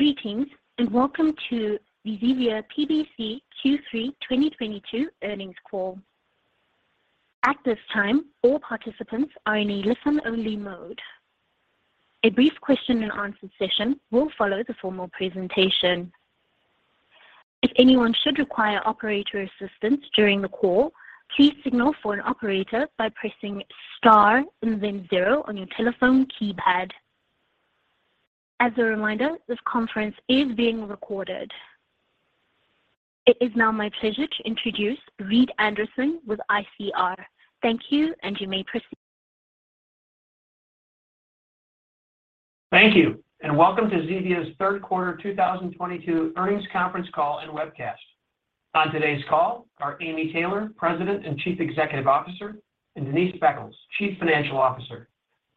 Greetings, and welcome to the Zevia PBC Q3 2022 earnings call. At this time, all participants are in a listen-only mode. A brief question-and-answer session will follow the formal presentation. If anyone should require operator assistance during the call, please signal for an operator by pressing star and then zero on your telephone keypad. As a reminder, this conference is being recorded. It is now my pleasure to introduce Reed Anderson with ICR. Thank you, and you may proceed. Thank you, and welcome to Zevia's third quarter 2022 earnings conference call and webcast. On today's call are Amy Taylor, President and Chief Executive Officer, and Denise Beckles, Chief Financial Officer.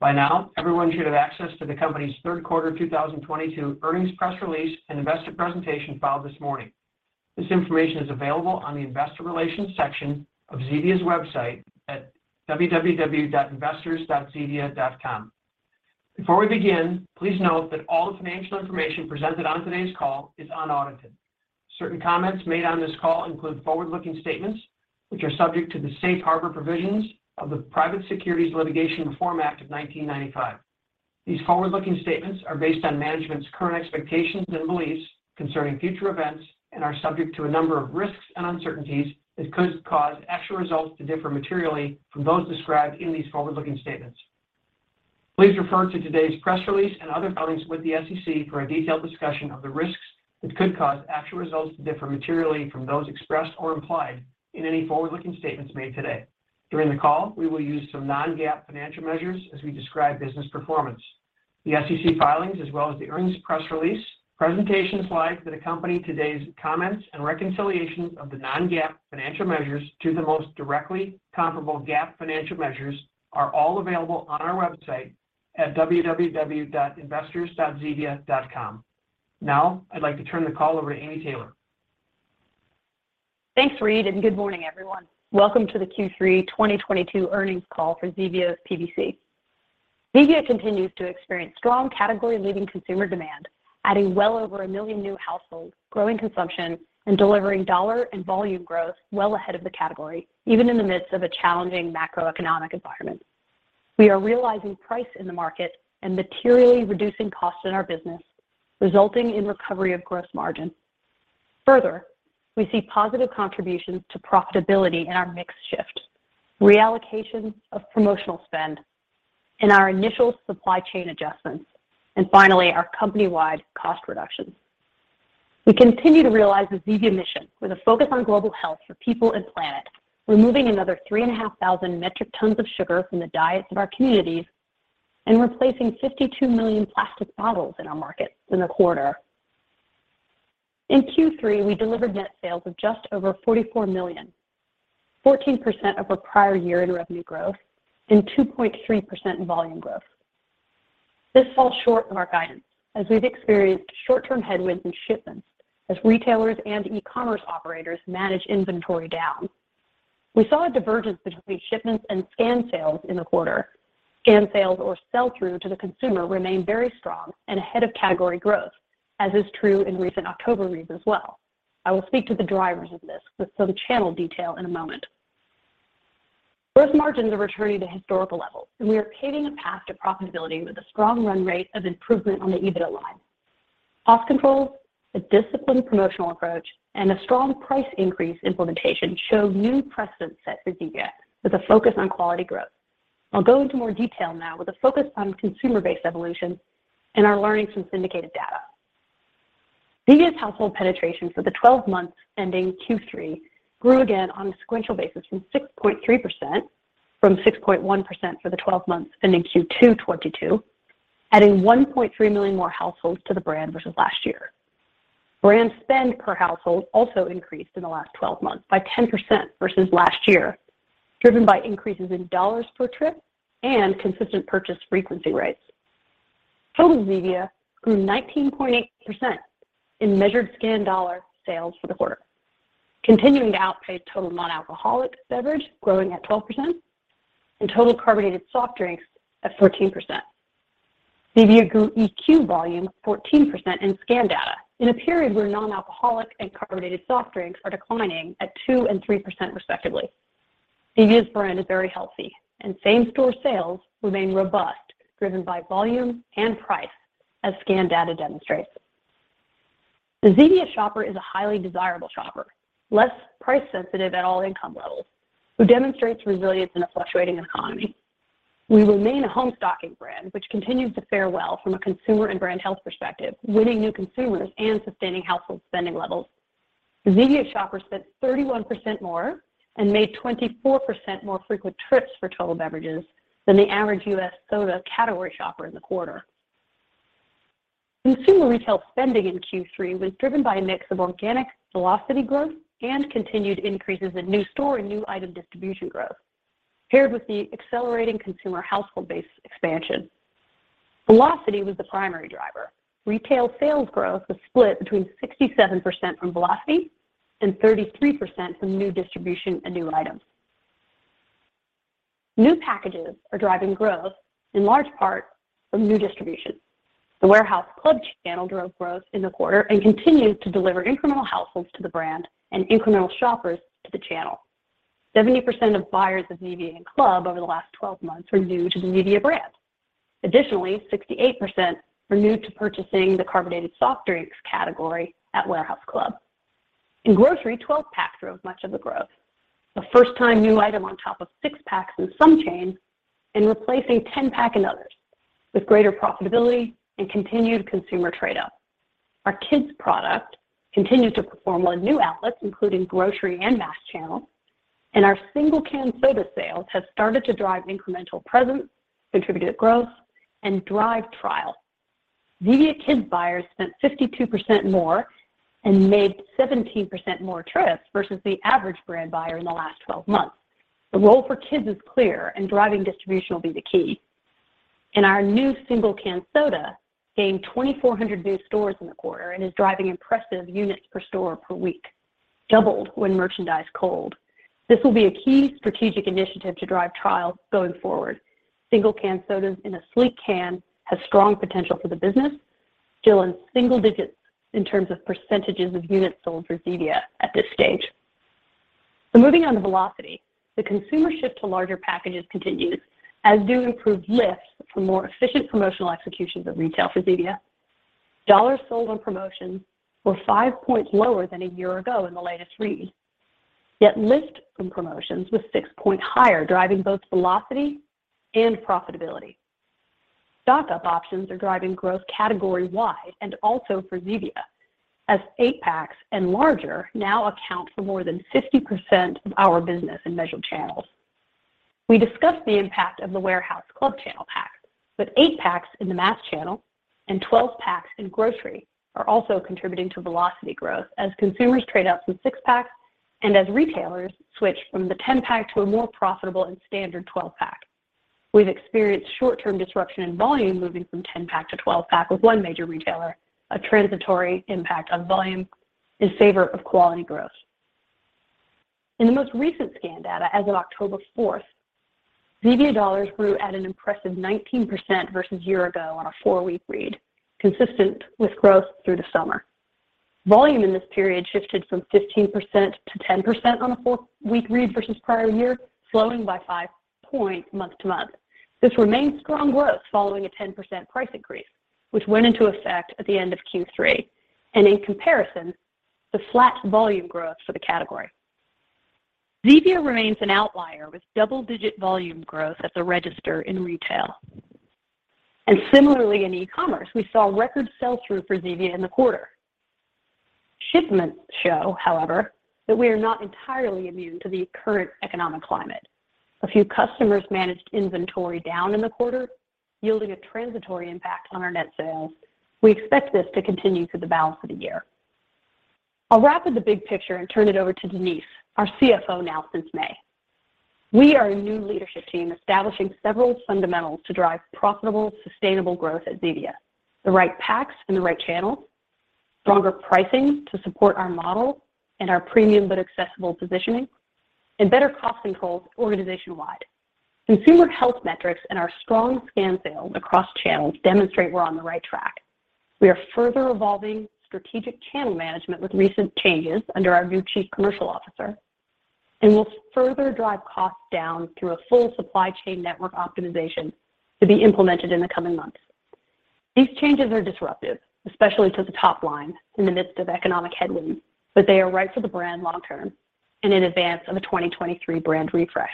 By now, everyone should have access to the company's third quarter 2022 earnings press release and investor presentation filed this morning. This information is available on the investor relations section of Zevia's website at www.investors.zevia.com. Before we begin, please note that all the financial information presented on today's call is unaudited. Certain comments made on this call include forward-looking statements, which are subject to the safe harbor provisions of the Private Securities Litigation Reform Act of 1995. These forward-looking statements are based on management's current expectations and beliefs concerning future events and are subject to a number of risks and uncertainties that could cause actual results to differ materially from those described in these forward-looking statements. Please refer to today's press release and other filings with the SEC for a detailed discussion of the risks that could cause actual results to differ materially from those expressed or implied in any forward-looking statements made today. During the call, we will use some Non-GAAP financial measures as we describe business performance. The SEC filings as well as the earnings press release, presentation slides that accompany today's comments, and reconciliations of the Non-GAAP financial measures to the most directly comparable GAAP financial measures are all available on our website at www.investors.zevia.com. Now, I'd like to turn the call over to Amy Taylor. Thanks, Reed, and good morning, everyone. Welcome to the Q3 2022 earnings call for Zevia PBC. Zevia continues to experience strong category-leading consumer demand, adding well over one million new households, growing consumption, and delivering dollar and volume growth well ahead of the category, even in the midst of a challenging macroeconomic environment. We are realizing price in the market and materially reducing costs in our business, resulting in recovery of gross margin. Further, we see positive contributions to profitability in our mix shift, reallocation of promotional spend, and our initial supply chain adjustments, and finally, our company-wide cost reductions. We continue to realize the Zevia mission with a focus on global health for people and planet, removing another 3,500 metric tons of sugar from the diets of our communities and replacing 52 million plastic bottles in our markets in the quarter. In Q3, we delivered net sales of just over $44 million, 14% over prior year in revenue growth and 2.3% in volume growth. This falls short of our guidance as we've experienced short-term headwinds in shipments as retailers and e-commerce operators manage inventory down. We saw a divergence between shipments and scanned sales in the quarter. Scanned sales or sell-through to the consumer remained very strong and ahead of category growth, as is true in recent October reads as well. I will speak to the drivers of this with some channel detail in a moment. Gross margins are returning to historical levels, and we are paving a path to profitability with a strong run rate of improvement on the EBITDA line. Cost controls, a disciplined promotional approach, and a strong price increase implementation show new precedent set for Zevia with a focus on quality growth. I'll go into more detail now with a focus on consumer-based evolution and our learnings from syndicated data. Zevia's household penetration for the 12 months ending Q3 grew again on a sequential basis to 6.3% from 6.1% for the 12 months ending Q2 2022, adding 1.3 million more households to the brand versus last year. Brand spend per household also increased in the last 12 months by 10% versus last year, driven by increases in dollars per trip and consistent purchase frequency rates. Total Zevia grew 19.8% in measured scanned dollar sales for the quarter, continuing to outpace total non-alcoholic beverage, growing at 12%, and total carbonated soft drinks at 14%. Zevia grew EQ volume 14% in scanned data in a period where non-alcoholic and carbonated soft drinks are declining at 2% and 3% respectively. Zevia's brand is very healthy, and same-store sales remain robust, driven by volume and price, as scanned data demonstrates. The Zevia shopper is a highly desirable shopper, less price sensitive at all income levels, who demonstrates resilience in a fluctuating economy. We remain a home stocking brand, which continues to fare well from a consumer and brand health perspective, winning new consumers and sustaining household spending levels. The Zevia shopper spent 31% more and made 24% more frequent trips for total beverages than the average U.S. soda category shopper in the quarter. Consumer retail spending in Q3 was driven by a mix of organic velocity growth and continued increases in new store and new item distribution growth, paired with the accelerating consumer household base expansion. Velocity was the primary driver. Retail sales growth was split between 67% from velocity and 33% from new distribution and new items. New packages are driving growth in large part from new distribution. The warehouse club channel drove growth in the quarter and continues to deliver incremental households to the brand and incremental shoppers to the channel. 70% of buyers of Zevia in club over the last 12 months were new to the Zevia brand. Additionally, 68% were new to purchasing the carbonated soft drinks category at warehouse club. In grocery, 12-pack drove much of the growth. The first time new item on top of six-packs in some chains and replacing 10-pack in others with greater profitability and continued consumer trade-up. Our Kids product continued to perform in new outlets, including grocery and mass channels. Our single-can soda sales have started to drive incremental presence, contributing growth, and drive trial. Zevia Kids buyers spent 52% more and made 17% more trips versus the average brand buyer in the last 12 months. The role for Kids is clear and driving distribution will be the key. Our new single-can soda gained 2,400 new stores in the quarter and is driving impressive units per store per week, doubled when merchandised cold. This will be a key strategic initiative to drive trials going forward. Single can sodas in a sleek can has strong potential for the business, still in single digits in terms of percentages of units sold for Zevia at this stage. Moving on to velocity, the consumer shift to larger packages continues as do improved lifts from more efficient promotional executions at retail for Zevia. Dollars sold on promotions were 5 points lower than a year ago in the latest read. Yet lift from promotions was 6 points higher, driving both velocity and profitability. Stock-up options are driving growth category-wide and also for Zevia, as eight-packs and larger now account for more than 50% of our business in measured channels. We discussed the impact of the warehouse club channel pack, but eight-packs in the mass channel and 12-packs in grocery are also contributing to velocity growth as consumers trade up from 6-packs and as retailers switch from the 10-pack to a more profitable and standard 12-pack. We've experienced short-term disruption in volume moving from 10-pack to 12-pack with one major retailer, a transitory impact on volume in favor of quality growth. In the most recent scan data as of October fourth, Zevia dollars grew at an impressive 19% versus year ago on a four-week read, consistent with growth through the summer. Volume in this period shifted from 15%-10% on a four-week read versus prior year, slowing by 5 points month-to-month. This remains strong growth following a 10% price increase, which went into effect at the end of Q3, and in comparison, the flat volume growth for the category. Zevia remains an outlier with double-digit volume growth at the register in retail. Similarly in e-commerce, we saw record sell-through for Zevia in the quarter. Shipments show, however, that we are not entirely immune to the current economic climate. A few customers managed inventory down in the quarter, yielding a transitory impact on our net sales. We expect this to continue through the balance of the year. I'll wrap with the big picture and turn it over to Denise, our Chief Financial Officer now since May. We are a new leadership team establishing several fundamentals to drive profitable, sustainable growth at Zevia. The right packs in the right channels, stronger pricing to support our model and our premium but accessible positioning, and better cost controls organization-wide. Consumer health metrics and our strong scan sales across channels demonstrate we're on the right track. We are further evolving strategic channel management with recent changes under our new Chief Commercial Officer, and we'll further drive costs down through a full supply chain network optimization to be implemented in the coming months. These changes are disruptive, especially to the top line in the midst of economic headwinds, but they are right for the brand long term and in advance of a 2023 brand refresh.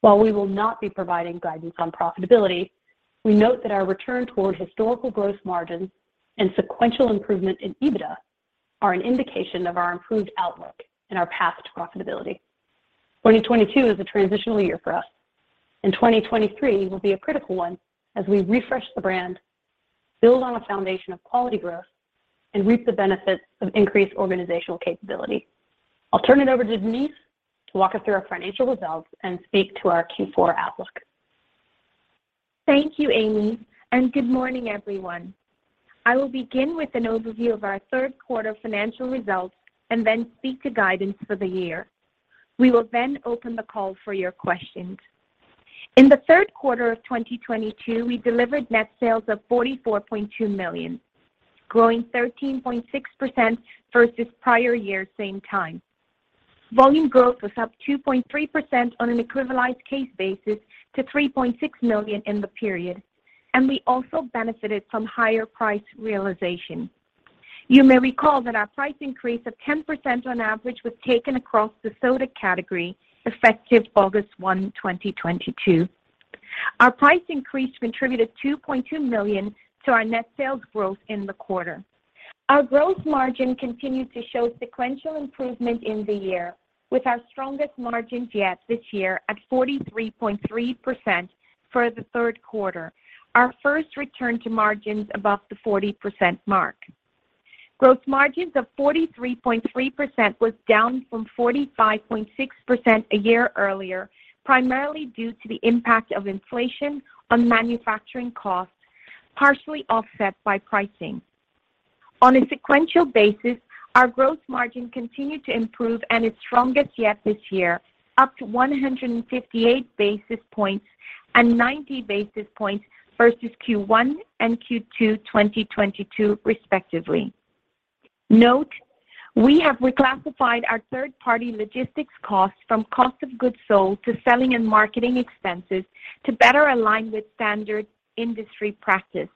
While we will not be providing guidance on profitability, we note that our return toward historical growth margins and sequential improvement in EBITDA are an indication of our improved outlook and our path to profitability. 2022 is a transitional year for us, and 2023 will be a critical one as we refresh the brand, build on a foundation of quality growth, and reap the benefits of increased organizational capability. I'll turn it over to Denise to walk us through our financial results and speak to our Q4 outlook. Thank you, Amy, and good morning, everyone. I will begin with an overview of our third quarter financial results and then speak to guidance for the year. We will then open the call for your questions. In the third quarter of 2022, we delivered net sales of $44.2 million, growing 13.6% versus prior year same time. Volume growth was up 2.3% on an equivalized case basis to 3.6 million in the period, and we also benefited from higher price realization. You may recall that our price increase of 10% on average was taken across the soda category effective August 1st, 2022. Our price increase contributed $2.2 million to our net sales growth in the quarter. Our gross margin continued to show sequential improvement in the year with our strongest margins yet this year at 43.3% for the third quarter. Our first return to margins above the 40% mark. Gross margins of 43.3% was down from 45.6% a year earlier, primarily due to the impact of inflation on manufacturing costs, partially offset by pricing. On a sequential basis, our gross margin continued to improve and its strongest yet this year up to 158 basis points and 90 basis points versus Q1 and Q2 2022 respectively. Note we have reclassified our third-party logistics costs from cost of goods sold to selling and marketing expenses to better align with standard industry practice.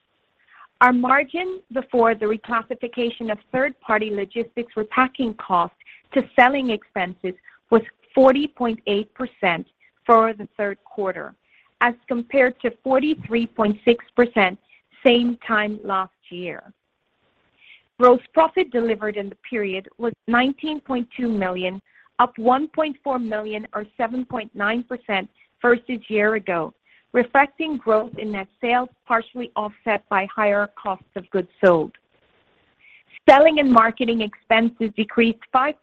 Our margin before the reclassification of third-party logistics repacking costs to selling expenses was 40.8% for the third quarter as compared to 43.6% same time last year. Gross profit delivered in the period was $19.2 million, up $1.4 million or 7.9% versus a year ago, reflecting growth in net sales partially offset by higher cost of goods sold. Selling and marketing expenses decreased 5%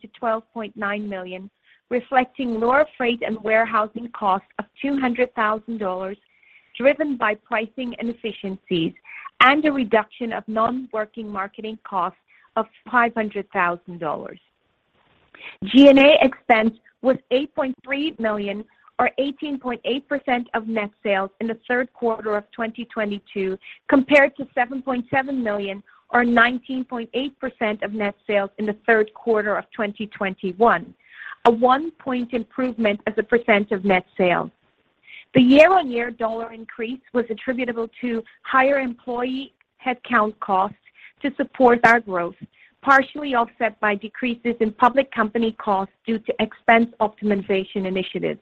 to $12.9 million, reflecting lower freight and warehousing costs of $200,000 driven by pricing and efficiencies and a reduction of non-working marketing costs of $500,000. G&A expense was $8.3 million or 18.8% of net sales in the third quarter of 2022, compared to $7.7 million or 19.8% of net sales in the third quarter of 2021. A one-point improvement as a percent of net sales. The year-on-year dollar increase was attributable to higher employee headcount costs to support our growth, partially offset by decreases in public company costs due to expense optimization initiatives.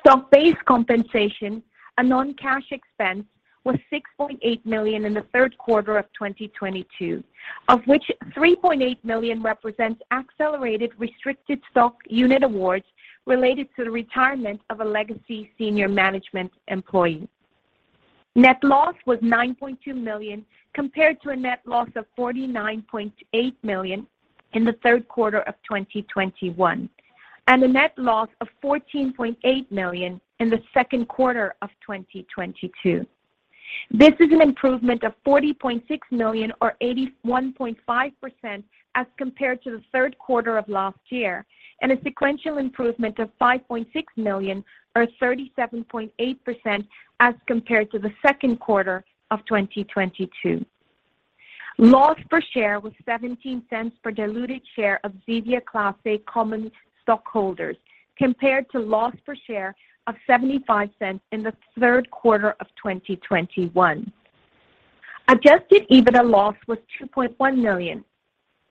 Stock-based compensation and non-cash expense was $6.8 million in the third quarter of 2022, of which $3.8 million represents accelerated restricted stock unit awards related to the retirement of a legacy senior management employee. Net loss was $9.2 million, compared to a net loss of $49.8 million in the third quarter of 2021 and a net loss of $14.8 million in the second quarter of 2022. This is an improvement of $40.6 million or 81.5% as compared to the third quarter of last year, and a sequential improvement of $5.6 million or 37.8% as compared to the second quarter of 2022. Loss per share was $0.17 per diluted share of Zevia Class A common stockholders compared to loss per share of $0.75 in the third quarter of 2021. Adjusted EBITDA loss was $2.1 million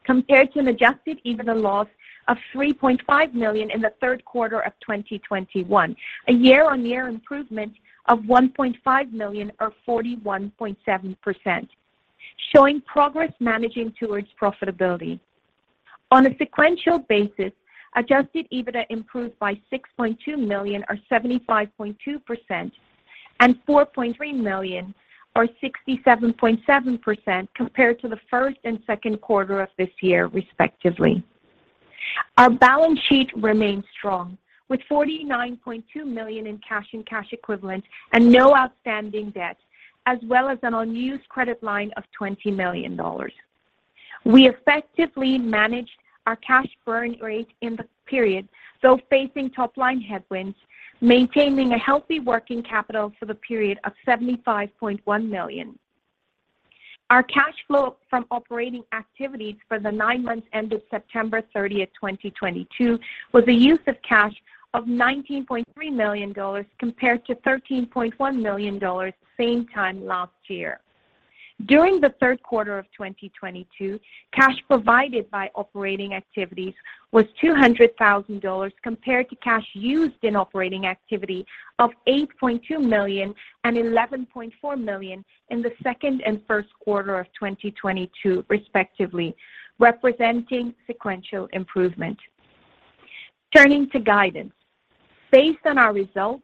compared to an adjusted EBITDA loss of $3.5 million in the third quarter of 2021. A year-over-year improvement of $1.5 million or 41.7%, showing progress managing towards profitability. On a sequential basis, Adjusted EBITDA improved by $6.2 million or 75.2% and $4.3 million or 67.7% compared to the first and second quarter of this year, respectively. Our balance sheet remains strong with $49.2 million in cash and cash equivalents and no outstanding debt, as well as an unused credit line of $20 million. We effectively managed our cash burn rate in the period, though facing top-line headwinds, maintaining a healthy working capital for the period of $75.1 million. Our cash flow from operating activities for the nine months ended September 30th, 2022 was a use of cash of $19.3 million compared to $13.1 million same time last year. During the third quarter of 2022, cash provided by operating activities was $200,000 compared to cash used in operating activity of $8.2 million and $11.4 million in the second and first quarter of 2022 respectively, representing sequential improvement. Turning to guidance. Based on our results,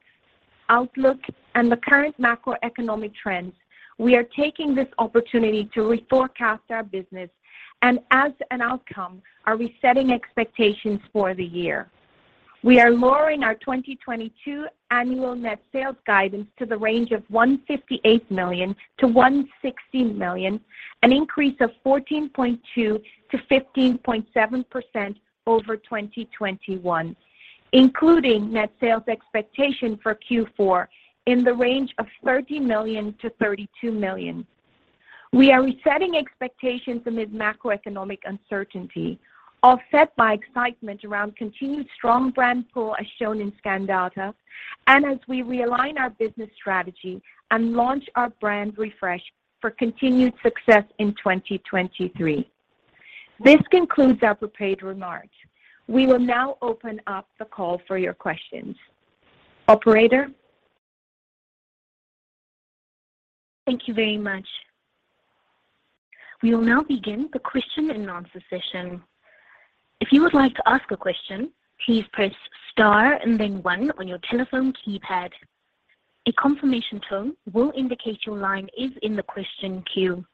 outlook and the current macroeconomic trends, we are taking this opportunity to reforecast our business and as an outcome, are resetting expectations for the year. We are lowering our 2022 annual net sales guidance to the range of $158 million-$160 million, an increase of 14.2%-15.7% over 2021, including net sales expectation for Q4 in the range of $30 million-$32 million. We are resetting expectations amid macroeconomic uncertainty, offset by excitement around continued strong brand pull as shown in scan data and as we realign our business strategy and launch our brand refresh for continued success in 2023. This concludes our prepared remarks. We will now open up the call for your questions. Operator? Thank you very much. We will now begin the question and answer session. If you would like to ask a question, please press star and then one on your telephone keypad. A confirmation tone will indicate your line is in the question queue.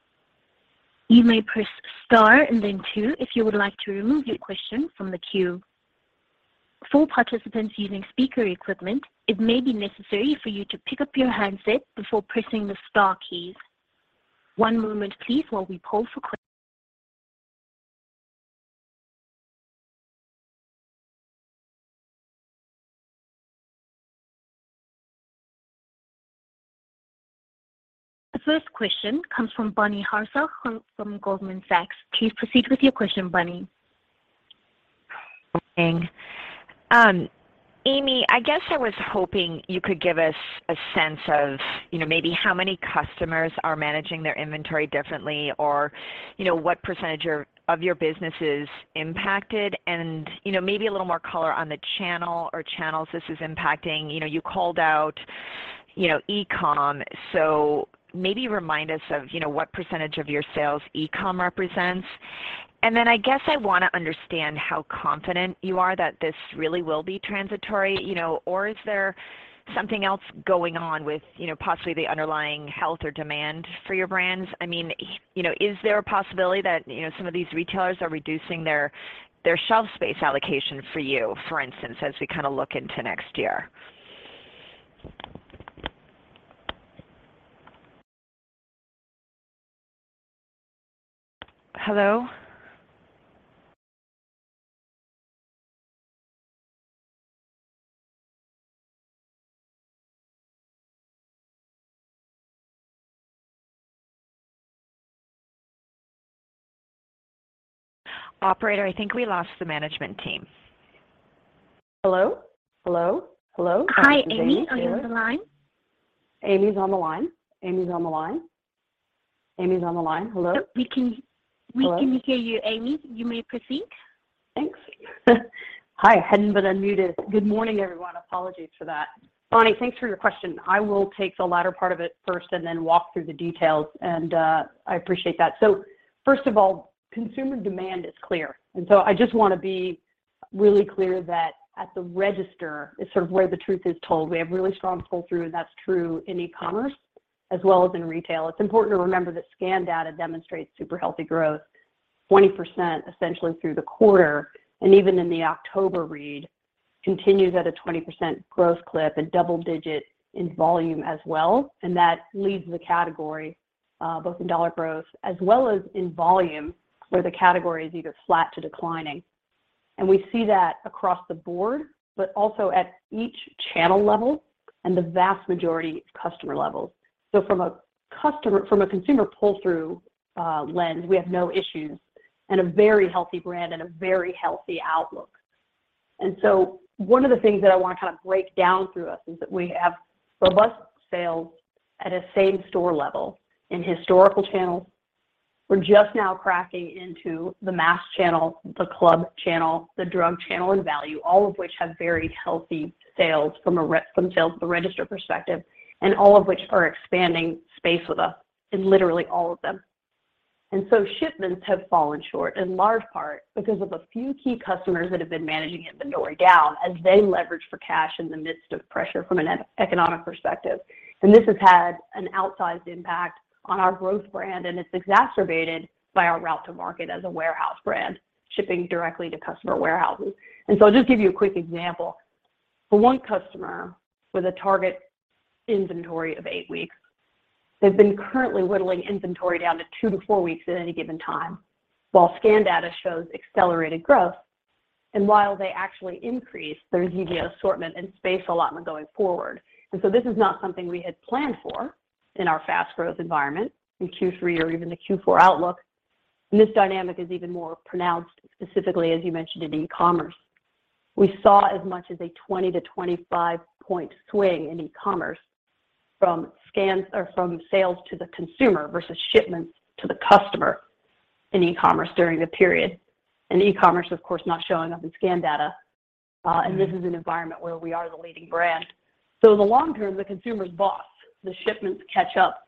You may press star and then two if you would like to remove your question from the queue. For participants using speaker equipment, it may be necessary for you to pick up your handset before pressing the star keys. One moment please while we poll for. The first question comes from Bonnie Herzog from Goldman Sachs. Please proceed with your question, Bonnie. Good morning. Amy, I guess I was hoping you could give us a sense of, you know, maybe how many customers are managing their inventory differently or, you know, what percentage or of your business is impacted and, you know, maybe a little more color on the channel or channels this is impacting. You know, you called out, you know, e-com. Maybe remind us of, you know, what percentage of your sales e-com represents. Then I guess I wanna understand how confident you are that this really will be transitory, you know. Is there something else going on with, you know, possibly the underlying health or demand for your brands? I mean, you know, is there a possibility that, you know, some of these retailers are reducing their shelf space allocation for you, for instance, as we kinda look into next year? Hello? Operator, I think we lost the management team. Hello? Hello? Hello? Hi, Amy. Are you on the line? Amy's on the line. Hello? We can- Hello? We can hear you, Amy. You may proceed. Thanks. Hi. I hadn't been unmuted. Good morning, everyone. Apologies for that. Bonnie, thanks for your question. I will take the latter part of it first and then walk through the details, and I appreciate that. First of all, consumer demand is clear. I just wanna be really clear that at the register is sort of where the truth is told. We have really strong pull-through, and that's true in e-commerce as well as in retail. It's important to remember that scan data demonstrates super healthy growth, 20% essentially through the quarter, and even in the October read continues at a 20% growth clip and double-digit in volume as well. That leads the category, both in dollar growth as well as in volume, where the category is either flat to declining. We see that across the board, but also at each channel level and the vast majority at customer levels. From a consumer pull-through lens, we have no issues and a very healthy brand and a very healthy outlook. One of the things that I wanna kind of break down through us is that we have robust sales at a same-store level in historical channels. We're just now cracking into the mass channel, the club channel, the drug channel, and value, all of which have very healthy sales from a register perspective, and all of which are expanding space with us in literally all of them. Shipments have fallen short in large part because of a few key customers that have been managing inventory down as they leverage for cash in the midst of pressure from an economic perspective. This has had an outsized impact on our growth brand, and it's exacerbated by our route to market as a warehouse brand, shipping directly to customer warehouses. I'll just give you a quick example. For one customer with a target inventory of eight weeks, they've been currently whittling inventory down to two to four weeks at any given time while scan data shows accelerated growth and while they actually increase their Zevia assortment and space allotment going forward. This is not something we had planned for in our fast growth environment in Q3 or even the Q4 outlook. This dynamic is even more pronounced specifically as you mentioned in e-commerce. We saw as much as a 20 point-25 point swing in e-commerce from scans or from sales to the consumer versus shipments to the customer in e-commerce during the period. E-commerce, of course, not showing up in scan data, and this is an environment where we are the leading brand. In the long term, the consumer is boss. The shipments catch up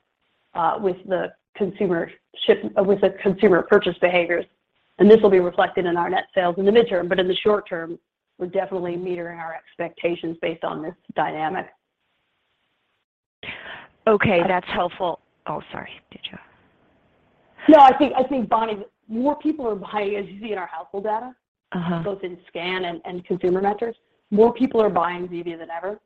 with the consumer purchase behaviors, and this will be reflected in our net sales in the medium term. In the short term, we're definitely tempering our expectations based on this dynamic. Okay. That's helpful. Oh, sorry. No, I think, Bonnie, more people are buying, as you see in our household data. Uh-huh... both in scan and consumer metrics. More people are buying Zevia than ever.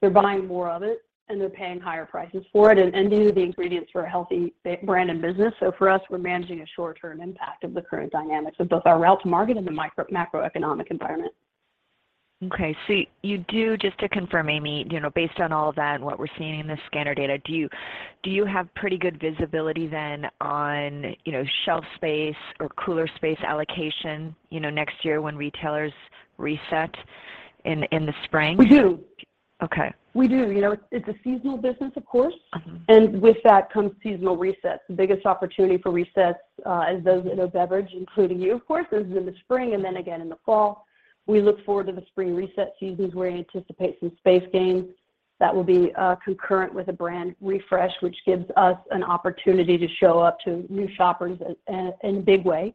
They're buying more of it, and they're paying higher prices for it and the ingredients for a healthy brand and business. For us, we're managing a short-term impact of the current dynamics of both our route to market and the macroeconomic environment. Okay. You do, just to confirm, Amy, you know, based on all of that and what we're seeing in the scanner data, do you have pretty good visibility then on, you know, shelf space or cooler space allocation, you know, next year when retailers reset in the spring? We do. Okay. We do. You know, it's a seasonal business, of course. Mm-hmm. With that comes seasonal resets. The biggest opportunity for resets, as those in a beverage, including you of course, is in the spring and then again in the fall. We look forward to the spring reset seasons where we anticipate some space gains that will be concurrent with a brand refresh, which gives us an opportunity to show up to new shoppers in a big way.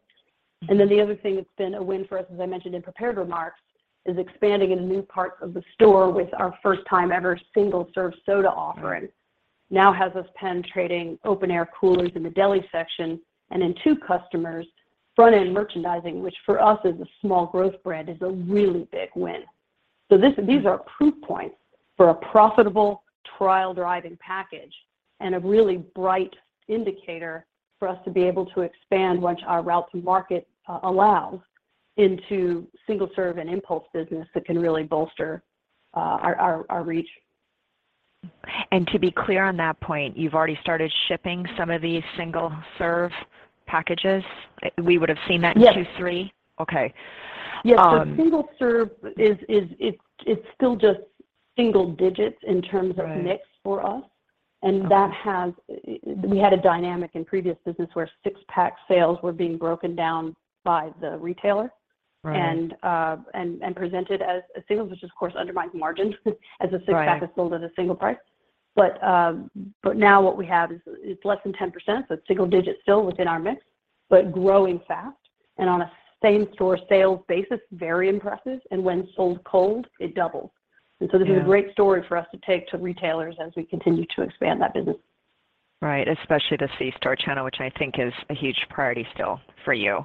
Then the other thing that's been a win for us, as I mentioned in prepared remarks, is expanding into new parts of the store with our first time ever single serve soda offering. Now has us penetrating open air coolers in the deli section and in two customers front-end merchandising, which for us is a small growth brand, is a really big win. These are proof points for a profitable trial-driving package and a really bright indicator for us to be able to expand once our route to market allows into single-serve and impulse business that can really bolster our reach. To be clear on that point, you've already started shipping some of these single-serve packages. We would have seen that in Q3? Yes. Okay. Yes. Single-serve, it's still just single digits in terms- Right. of mix for us. Okay. We had a dynamic in previous business where six-pack sales were being broken down by the retailer. Right. presented as a single, which of course undermines margin as a six-pack. Right. is sold at a single price. Now what we have is less than 10%, so it's single digit still within our mix, but growing fast and on a same-store sales basis, very impressive. When sold cold, it doubles. Yeah. This is a great story for us to take to retailers as we continue to expand that business. Right. Especially the C-store channel, which I think is a huge priority still for you.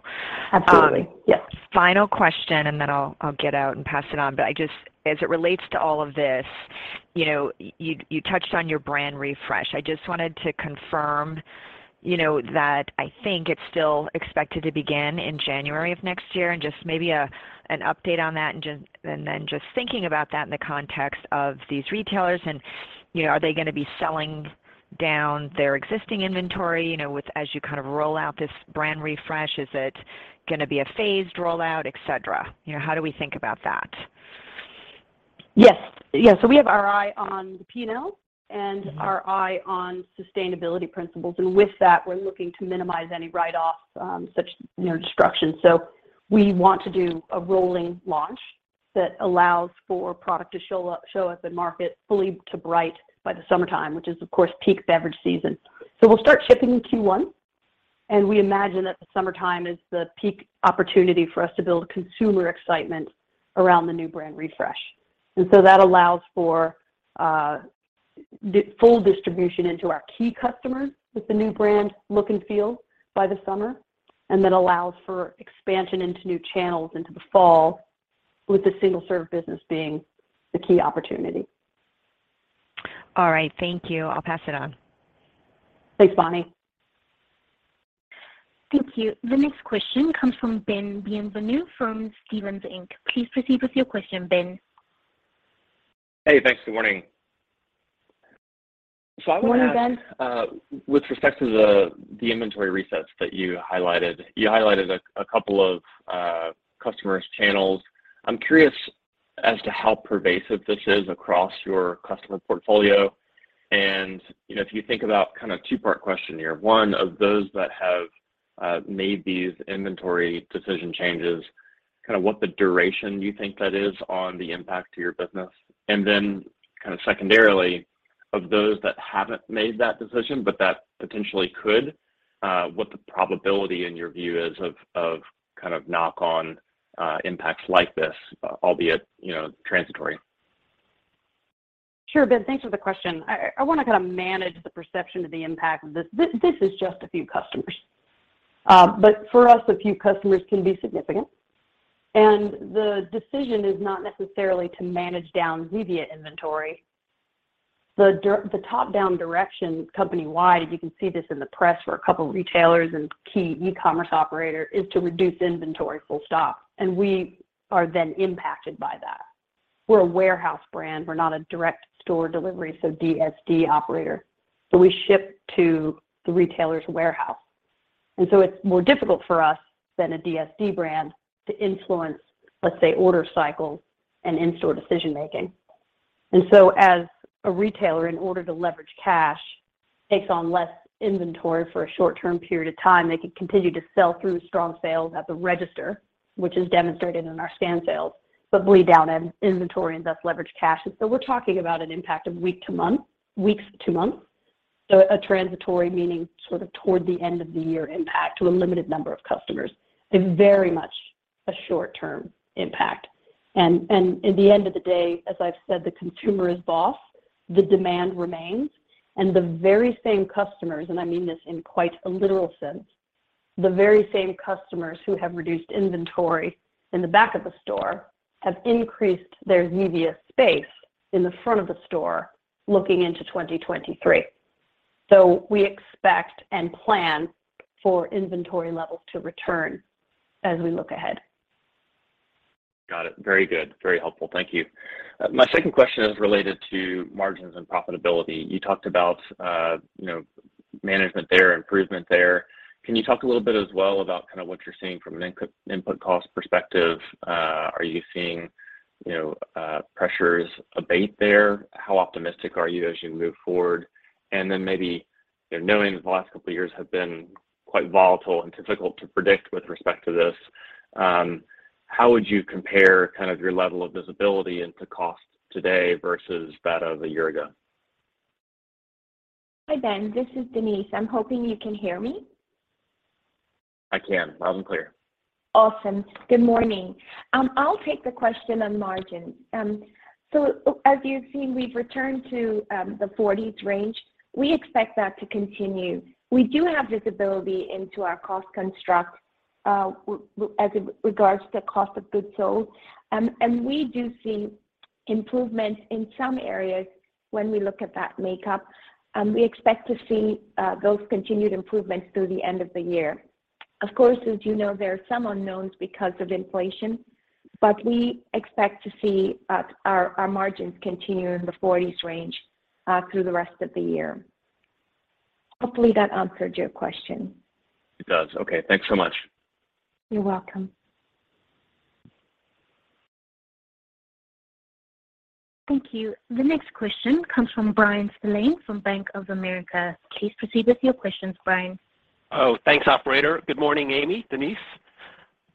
Absolutely. Yep. Final question, and then I'll get out and pass it on. As it relates to all of this, you know, you touched on your brand refresh. I just wanted to confirm, you know, that I think it's still expected to begin in January of next year and just maybe an update on that. Just thinking about that in the context of these retailers. You know, are they gonna be selling down their existing inventory, you know, with as you kind of roll out this brand refresh? Is it gonna be a phased rollout, et cetera? You know, how do we think about that? Yes. Yeah. We have our eye on the P&L. Mm-hmm. Our eye on sustainability principles. With that, we're looking to minimize any write-offs, such destruction. We want to do a rolling launch that allows for product to show up in market fully branded by the summertime, which is of course peak beverage season. We'll start shipping in Q1, and we imagine that the summertime is the peak opportunity for us to build consumer excitement around the new brand refresh. That allows for full distribution into our key customers with the new brand look and feel by the summer, and then allows for expansion into new channels into the fall, with the single-serve business being the key opportunity. All right. Thank you. I'll pass it on. Thanks, Bonnie. Thank you. The next question comes from Ben Bienvenu from Stephens Inc. Please proceed with your question, Ben. Hey, thanks. Good morning. I wanna ask. Good morning, Ben. With respect to the inventory resets that you highlighted, you highlighted a couple of customer channels. I'm curious as to how pervasive this is across your customer portfolio. You know, if you think about kind of two-part question here, one of those that have made these inventory decision changes, kind of what the duration you think that is on the impact to your business. Then kind of secondarily, of those that haven't made that decision, but that potentially could, what the probability in your view is of kind of knock on impacts like this, albeit, you know, transitory? Sure. Ben, thanks for the question. I wanna kinda manage the perception of the impact of this. This is just a few customers. But for us, a few customers can be significant. The decision is not necessarily to manage down Zevia inventory. The top-down direction company-wide, you can see this in the press for a couple of retailers and key e-commerce operator, is to reduce inventory full stop. We are then impacted by that. We're a warehouse brand. We're not a direct store delivery, so DSD operator. We ship to the retailer's warehouse. It's more difficult for us than a DSD brand to influence, let's say, order cycles and in-store decision making. As a retailer, in order to leverage cash, takes on less inventory for a short-term period of time, they can continue to sell through strong sales at the register, which is demonstrated in our scan sales, but bleed down in inventory and thus leverage cash. We're talking about an impact of week-to-month, weeks-to-month. A transitory meaning, sort of toward the end of the year impact to a limited number of customers is very much a short-term impact. At the end of the day, as I've said, the consumer is boss, the demand remains. The very same customers, and I mean this in quite a literal sense, the very same customers who have reduced inventory in the back of the store have increased their Zevia space in the front of the store looking into 2023. We expect and plan for inventory levels to return as we look ahead. Got it. Very good. Very helpful. Thank you. My second question is related to margins and profitability. You talked about, you know, management there, improvement there. Can you talk a little bit as well about kind of what you're seeing from an input cost perspective? Are you seeing, you know, pressures abate there? How optimistic are you as you move forward? Then maybe, you know, knowing the last couple of years have been quite volatile and difficult to predict with respect to this, how would you compare kind of your level of visibility into cost today versus that of a year ago? Hi, Ben. This is Denise. I'm hoping you can hear me. I can. Loud and clear. Awesome. Good morning. I'll take the question on margin. As you've seen, we've returned to the 40s% range. We expect that to continue. We do have visibility into our cost construct, as it regards to cost of goods sold. We do see improvements in some areas when we look at that makeup. We expect to see those continued improvements through the end of the year. Of course, as you know, there are some unknowns because of inflation, but we expect to see our margins continue in the 40s% range through the rest of the year. Hopefully, that answered your question. It does. Okay. Thanks so much. You're welcome. Thank you. The next question comes from Bryan Spillane from Bank of America. Please proceed with your questions, Bryan. Oh. Thanks, operator. Good morning, Amy, Denise.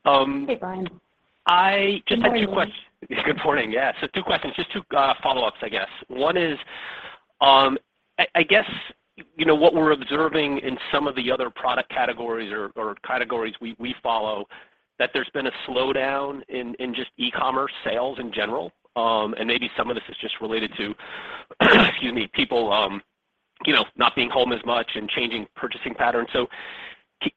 Hey, Bryan. I just had two questions. Good morning, Bryan. Good morning. Yeah. Two questions. Just two, follow-ups, I guess. One is, I guess, you know, what we're observing in some of the other product categories or categories we follow, that there's been a slowdown in just e-commerce sales in general. Maybe some of this is just related to, excuse me, people, you know, not being home as much and changing purchasing patterns.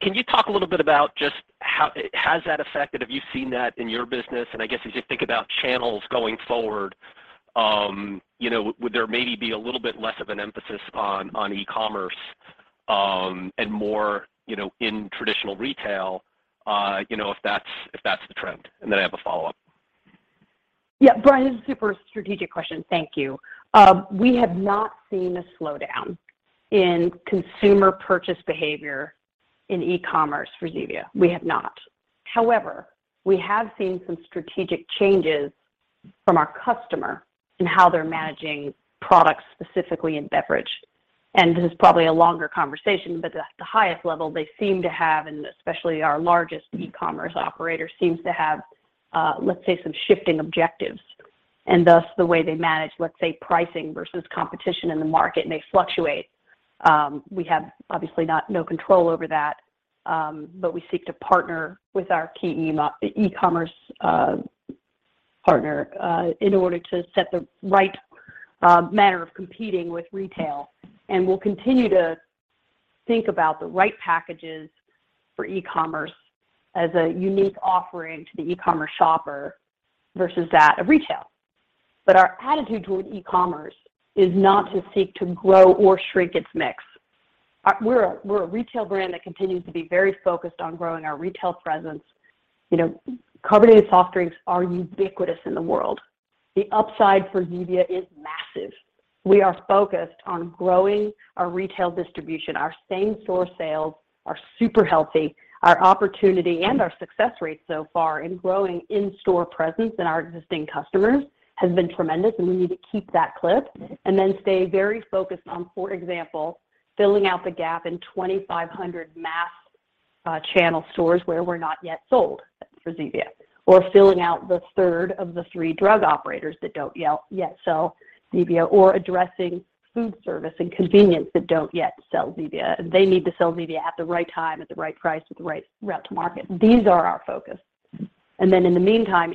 Can you talk a little bit about just how has that affected? Have you seen that in your business? I guess, as you think about channels going forward, you know, would there maybe be a little bit less of an emphasis on e-commerce, and more, you know, in traditional retail, you know, if that's the trend? Then I have a follow-up. Yeah. Bryan, this is a super strategic question. Thank you. We have not seen a slowdown in consumer purchase behavior in e-commerce for Zevia. We have not. However, we have seen some strategic changes from our customer in how they're managing products, specifically in beverage. This is probably a longer conversation, but at the highest level, they seem to have, and especially our largest e-commerce operator seems to have, let's say, some shifting objectives, and thus the way they manage, let's say, pricing versus competition in the market may fluctuate. We have obviously no control over that, but we seek to partner with our key e-commerce partner in order to set the right manner of competing with retail. We'll continue to think about the right packages for e-commerce as a unique offering to the e-commerce shopper versus that of retail. Our attitude toward e-commerce is not to seek to grow or shrink its mix. We're a retail brand that continues to be very focused on growing our retail presence. You know, carbonated soft drinks are ubiquitous in the world. The upside for Zevia is massive. We are focused on growing our retail distribution. Our same store sales are super healthy. Our opportunity and our success rates so far in growing in-store presence in our existing customers has been tremendous, and we need to keep that clip and then stay very focused on, for example, filling out the gap in 2,500 mass channel stores where we're not yet sold for Zevia, or filling out the third of the three drug operators that don't yet sell Zevia, or addressing food service and convenience that don't yet sell Zevia. They need to sell Zevia at the right time, at the right price, at the right route to market. These are our focus. In the meantime,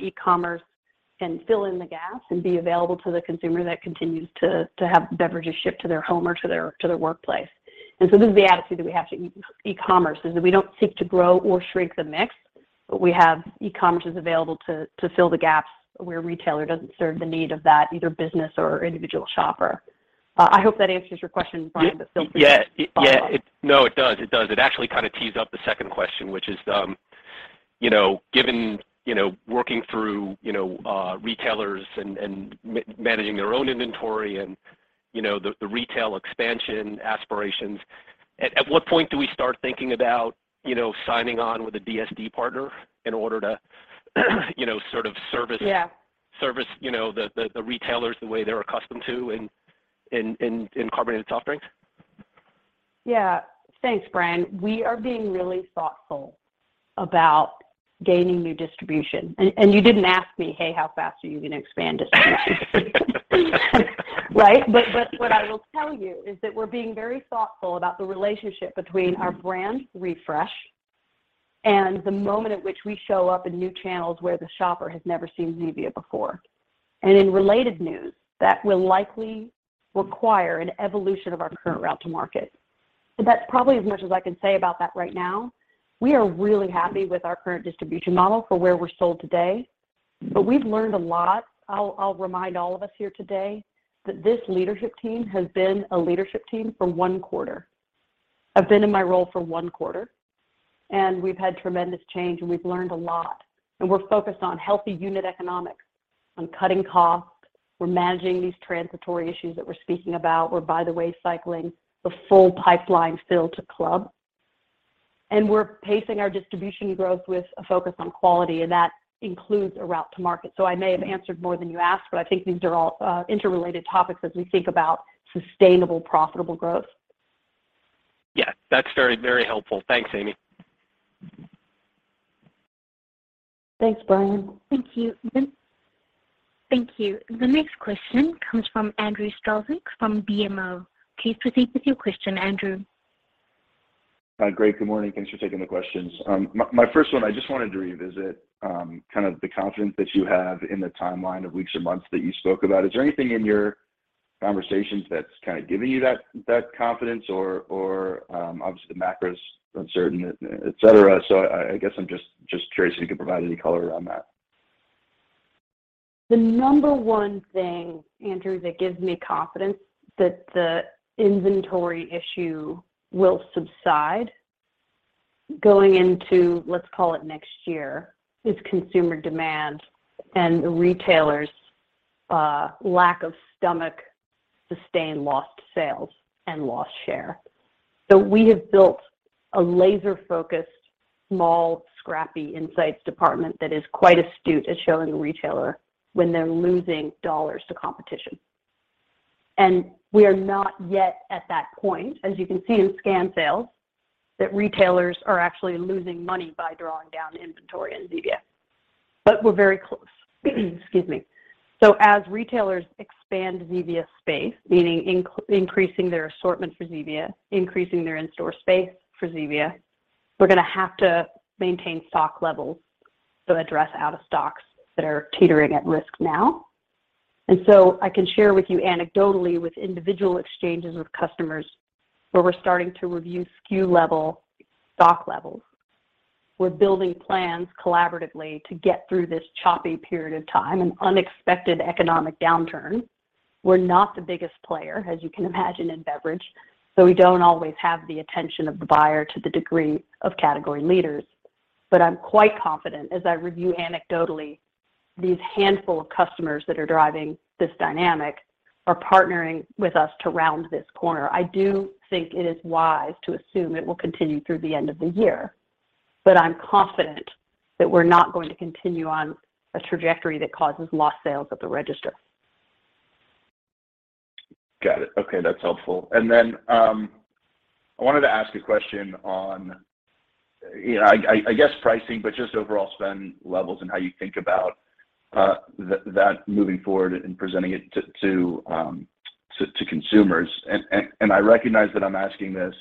e-commerce can fill in the gaps and be available to the consumer that continues to have beverages shipped to their home or to their workplace. This is the attitude that we have to e-commerce, is that we don't seek to grow or shrink the mix, but we have e-commerce is available to fill the gaps where retailer doesn't serve the need of that, either business or individual shopper. I hope that answers your question, Bryan, but feel free to follow up. Yeah. No, it does. It actually kind of tees up the second question, which is, you know, given, you know, working through, you know, retailers and managing their own inventory and, you know, the retail expansion aspirations, at what point do we start thinking about, you know, signing on with a DSD partner in order to, you know, sort of service- Yeah. Service, you know, the retailers the way they're accustomed to in carbonated soft drinks? Yeah. Thanks, Bryan. We are being really thoughtful about gaining new distribution. You didn't ask me, "Hey, how fast are you gonna expand distribution?" Right? What I will tell you is that we're being very thoughtful about the relationship between our brand refresh and the moment at which we show up in new channels where the shopper has never seen Zevia before. In related news, that will likely require an evolution of our current route to market. That's probably as much as I can say about that right now. We are really happy with our current distribution model for where we're sold today, but we've learned a lot. I'll remind all of us here today that this leadership team has been a leadership team for one quarter. I've been in my role for one quarter, and we've had tremendous change, and we've learned a lot. We're focused on healthy unit economics, on cutting costs. We're managing these transitory issues that we're speaking about. We're, by the way, cycling the full pipeline still to club. We're pacing our distribution growth with a focus on quality, and that includes a route to market. I may have answered more than you asked, but I think these are all interrelated topics as we think about sustainable, profitable growth. Yeah. That's very, very helpful. Thanks, Amy. Thanks, Bryan. Thank you. The next question comes from Andrew Strelzik from BMO. Please proceed with your question, Andrew. Hi, great. Good morning. Thanks for taking the questions. My first one, I just wanted to revisit kind of the confidence that you have in the timeline of weeks or months that you spoke about. Is there anything in your conversations that's kind of given you that confidence or obviously the macro's uncertain, et cetera. I guess I'm just curious if you could provide any color on that. The number one thing, Andrew, that gives me confidence that the inventory issue will subside going into, let's call it next year, is consumer demand and the retailers' lack of stomach to sustain lost sales and lost share. We have built a laser-focused, small, scrappy insights department that is quite astute at showing the retailer when they're losing dollars to competition. We are not yet at that point, as you can see in scan sales, that retailers are actually losing money by drawing down inventory in Zevia, but we're very close. Excuse me. As retailers expand Zevia's space, meaning increasing their assortment for Zevia, increasing their in-store space for Zevia, we're gonna have to maintain stock levels to address out of stocks that are teetering at risk now. I can share with you anecdotally with individual exchanges with customers where we're starting to review SKU level stock levels. We're building plans collaboratively to get through this choppy period of time, an unexpected economic downturn. We're not the biggest player, as you can imagine, in beverage, so we don't always have the attention of the buyer to the degree of category leaders. I'm quite confident as I review anecdotally, these handful of customers that are driving this dynamic are partnering with us to round this corner. I do think it is wise to assume it will continue through the end of the year, but I'm confident that we're not going to continue on a trajectory that causes lost sales at the register. Got it. Okay. That's helpful. I wanted to ask a question on, you know, I guess pricing, but just overall spend levels and how you think about that moving forward and presenting it to consumers. I recognize that I'm asking this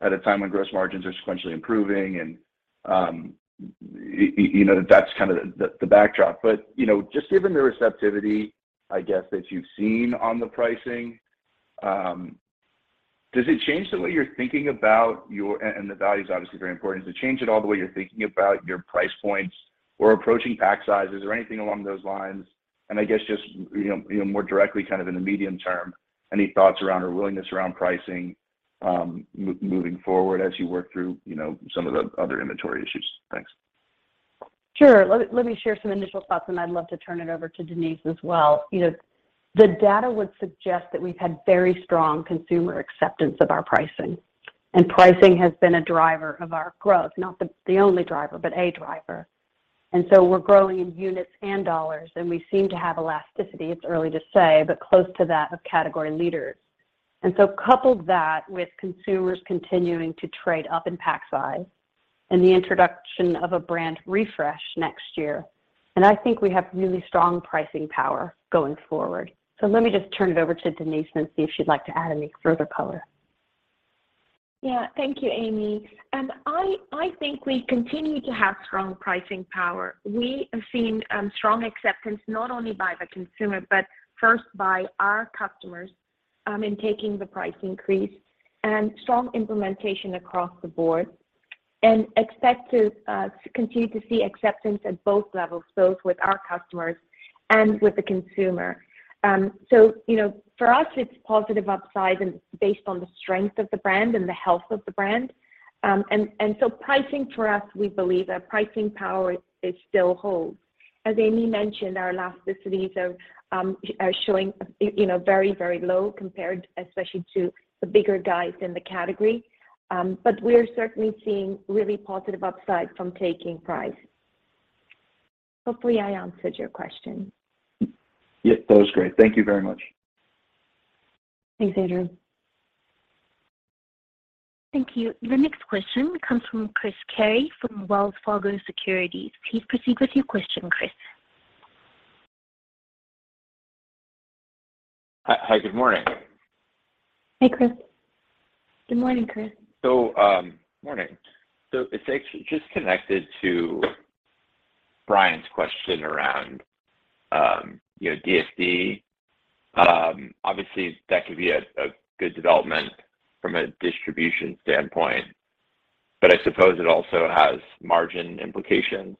at a time when gross margins are sequentially improving and you know, that's kind of the backdrop. You know, just given the receptivity, I guess, that you've seen on the pricing, does it change the way you're thinking about your. The value is obviously very important. Does it change at all the way you're thinking about your price points or approaching pack sizes or anything along those lines? I guess just, you know, more directly kind of in the medium term, any thoughts around or willingness around pricing, moving forward as you work through, you know, some of the other inventory issues? Thanks. Sure. Let me share some initial thoughts, and I'd love to turn it over to Denise as well. You know, the data would suggest that we've had very strong consumer acceptance of our pricing, and pricing has been a driver of our growth, not the only driver, but a driver. We're growing in units and dollars, and we seem to have elasticity. It's early to say, but close to that of category leaders. Couple that with consumers continuing to trade up in pack size and the introduction of a brand refresh next year, and I think we have really strong pricing power going forward. Let me just turn it over to Denise and see if she'd like to add any further color. Yeah. Thank you, Amy. I think we continue to have strong pricing power. We have seen strong acceptance not only by the consumer, but first by our customers in taking the price increase and strong implementation across the board, and expect to continue to see acceptance at both levels, both with our customers and with the consumer. So you know, for us, it's positive upside and based on the strength of the brand and the health of the brand. So pricing for us, we believe our pricing power is. It still holds. As Amy mentioned, our elasticities are showing you know very, very low compared especially to the bigger guys in the category. But we're certainly seeing really positive upside from taking price. Hopefully, I answered your question. Yep. That was great. Thank you very much. Thanks, Andrew. Thank you. The next question comes from Chris Carey from Wells Fargo Securities. Please proceed with your question, Chris. Hi. Hi, good morning. Hey, Chris. Good morning, Chris. Morning. It's actually just connected to Bryan's question around, you know, DSD. Obviously, that could be a good development from a distribution standpoint, but I suppose it also has margin implications.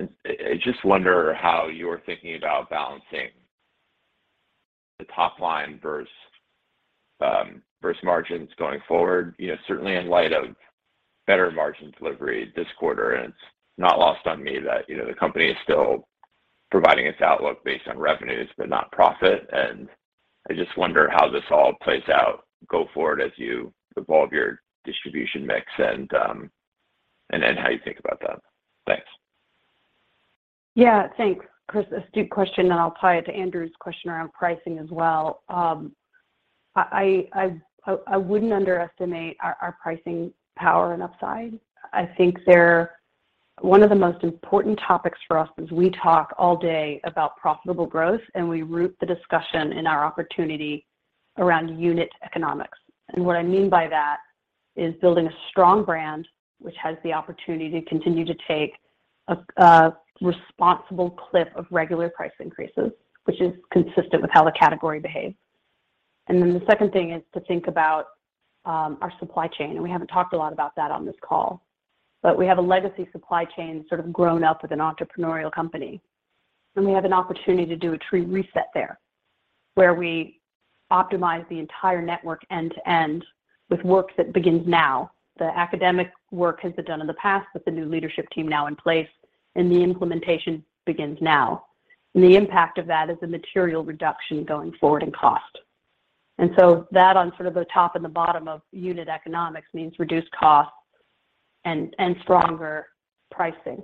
I just wonder how you're thinking about balancing the top line versus margins going forward. You know, certainly in light of better margin delivery this quarter, and it's not lost on me that, you know, the company is still providing its outlook based on revenues, but not profit. I just wonder how this all plays out going forward as you evolve your distribution mix and then how you think about that. Thanks. Yeah. Thanks, Chris. Astute question, and I'll apply it to Andrew's question around pricing as well. I wouldn't underestimate our pricing power and upside. I think they're one of the most important topics for us is we talk all day about profitable growth, and we root the discussion in our opportunity around unit economics. What I mean by that is building a strong brand which has the opportunity to continue to take a responsible clip of regular price increases, which is consistent with how the category behaves. The second thing is to think about our supply chain, and we haven't talked a lot about that on this call. We have a legacy supply chain sort of grown up with an entrepreneurial company, and we have an opportunity to do a true reset there, where we optimize the entire network end to end with work that begins now. The academic work has been done in the past with the new leadership team now in place, and the implementation begins now. The impact of that is a material reduction going forward in cost. That on sort of the top and the bottom of unit economics means reduced costs and stronger pricing.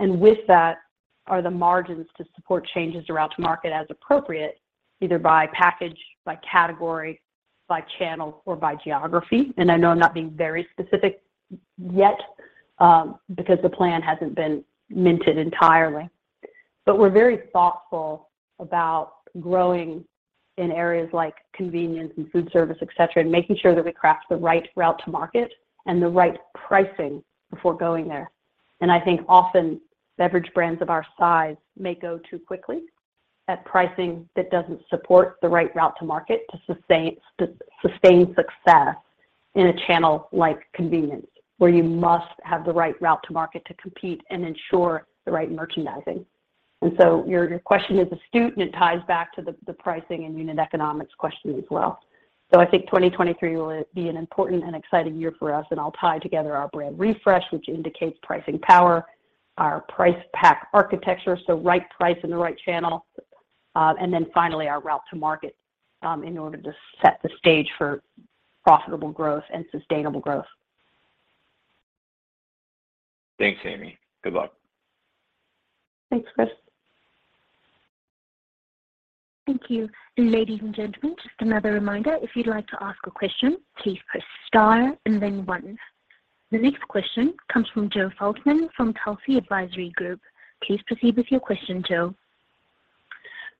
With that are the margins to support changes to route to market as appropriate, either by package, by category, by channel, or by geography. I know I'm not being very specific yet, because the plan hasn't been minted entirely. We're very thoughtful about growing in areas like convenience and food service, et cetera, and making sure that we craft the right route to market and the right pricing before going there. I think often beverage brands of our size may go too quickly at pricing that doesn't support the right route to market to sustain success in a channel like convenience, where you must have the right route to market to compete and ensure the right merchandising. Your question is astute, and it ties back to the pricing and unit economics question as well. I think 2023 will be an important and exciting year for us, and I'll tie together our brand refresh, which indicates pricing power, our price pack architecture, so right price in the right channel, and then finally our route to market, in order to set the stage for profitable growth and sustainable growth. Thanks, Amy. Good luck. Thanks, Chris. Thank you. Ladies and gentlemen, just another reminder, if you'd like to ask a question, please press star and then one. The next question comes from Joseph Feldman from Telsey Advisory Group. Please proceed with your question, Joe.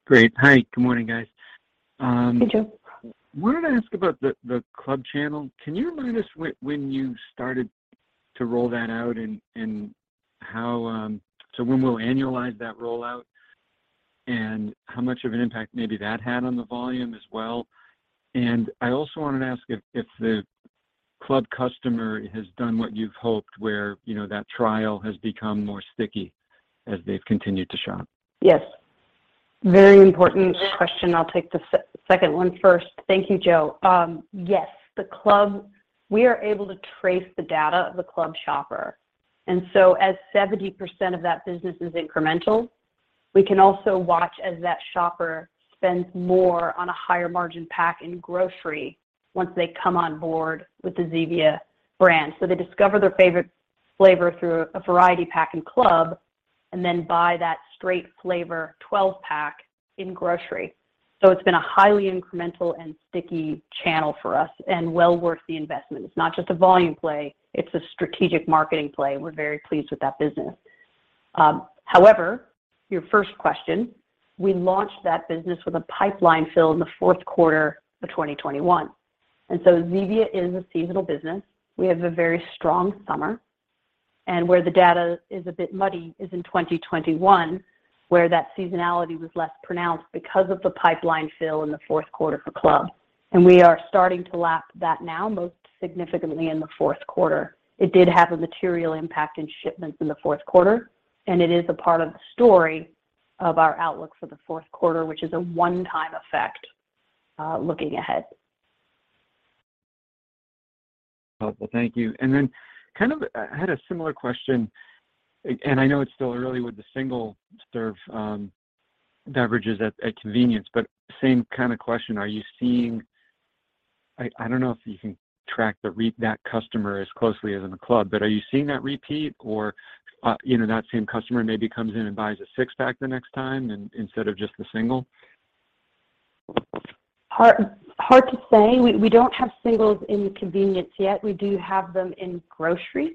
Great. Hi, good morning, guys. Hey, Joe. Wanted to ask about the club channel. Can you remind us when you started to roll that out and how when we'll annualize that rollout and how much of an impact maybe that had on the volume as well. I also wanted to ask if the club customer has done what you've hoped where, you know, that trial has become more sticky as they've continued to shop. Yes. Very important question. I'll take the second one first. Thank you, Joe. Yes. We are able to trace the data of the club shopper. As 70% of that business is incremental, we can also watch as that shopper spends more on a higher margin pack in grocery once they come on board with the Zevia brand. They discover their favorite flavor through a variety pack in club and then buy that straight flavor 12-pack in grocery. It's been a highly incremental and sticky channel for us and well worth the investment. It's not just a volume play, it's a strategic marketing play, and we're very pleased with that business. However, your first question, we launched that business with a pipeline fill in the fourth quarter of 2021. Zevia is a seasonal business. We have a very strong summer, and where the data is a bit muddy is in 2021, where that seasonality was less pronounced because of the pipeline fill in the fourth quarter for club. We are starting to lap that now, most significantly in the fourth quarter. It did have a material impact in shipments in the fourth quarter, and it is a part of the story of our outlook for the fourth quarter, which is a one-time effect, looking ahead. Helpful. Thank you. Kind of, I had a similar question, and I know it's still early with the single serve beverages at convenience, but same kinda question. Are you seeing? I don't know if you can track that customer as closely as in the club, but are you seeing that repeat or, you know, that same customer maybe comes in and buys a six-pack the next time instead of just the single? Hard to say. We don't have singles in convenience yet. We do have them in grocery.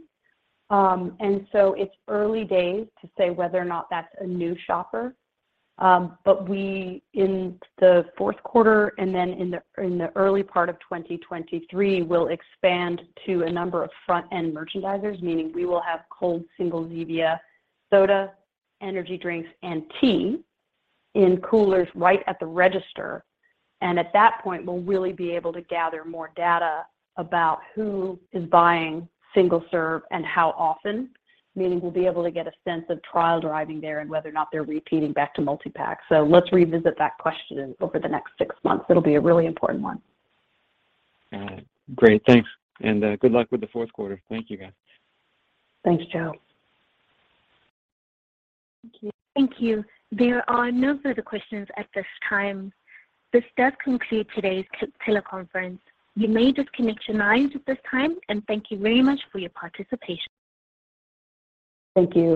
It's early days to say whether or not that's a new shopper. We in the fourth quarter and then in the early part of 2023 will expand to a number of front-end merchandisers, meaning we will have cold single Zevia soda, energy drinks, and tea in coolers right at the register. At that point, we'll really be able to gather more data about who is buying single serve and how often, meaning we'll be able to get a sense of trial driving there and whether or not they're repeating back to multi-pack. Let's revisit that question over the next six months. It'll be a really important one. All right. Great. Thanks. Good luck with the fourth quarter. Thank you, guys. Thanks, Joe. Thank you. There are no further questions at this time. This does conclude today's teleconference. You may disconnect your lines at this time, and thank you very much for your participation. Thank you.